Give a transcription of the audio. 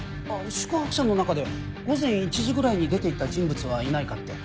宿泊者の中で午前１時ぐらいに出て行った人物はいないかって。